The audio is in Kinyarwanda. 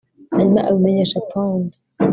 hanyuma abimenyesha pound